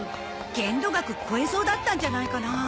限度額超えそうだったんじゃないかな。